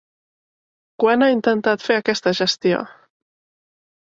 Quan ha intentat fer aquesta gestió?